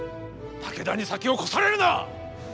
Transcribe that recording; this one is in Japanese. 武田に先を越されるな！